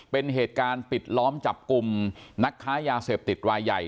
เป็นเหตุการณ์ปิดล้อมจับกลุ่มนักค้ายาเสพติดรายใหญ่